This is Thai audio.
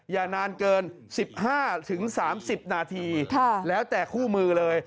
อย่านานเกิน๑๕๓๐นาทีแล้วแต่คู่มือเลย